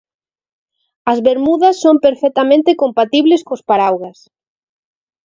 As bermudas son perfectamente compatibles cos paraugas.